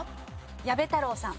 矢部太郎さん。